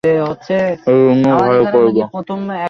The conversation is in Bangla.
এজন্য ঘরে করব।